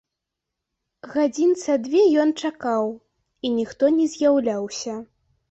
Гадзін са дзве ён чакаў, і ніхто не з'яўляўся.